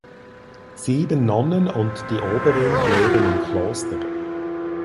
Sieben Nonnen und die Oberin leben im Kloster.